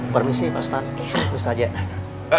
permisi pak ustadz